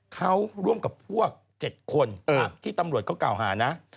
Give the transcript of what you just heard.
เขาร่วมกับพวก๗คนที่ตำรวจเขากล่าวหานะ